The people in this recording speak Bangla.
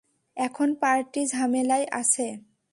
এখন পার্টি ঝামেলায় আছে।